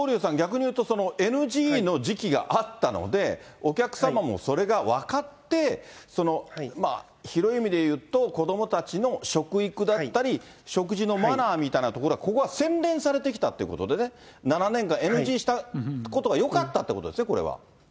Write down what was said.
だから東龍さん、逆に言うと、ＮＧの時期があったので、お客様もそれが分かって、広い意味で言うと、子どもたちの食育だったり、食事のマナーみたいなところがここは洗練されてきたということでね、７年間、ＮＧしたことがよかったってことですね、これは。